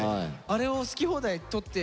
あれを好き放題採って。